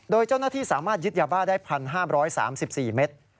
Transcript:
โดยเจ้าหน้าที่สามารถยึดยาบ้าได้๑๕๓๔เมตร